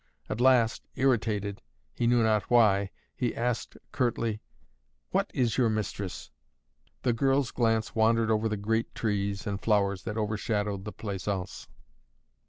At last, irritated, he knew not why, he asked curtly: "What is your mistress?" The girl's glance wandered over the great trees and flowers that overshadowed the plaisaunce.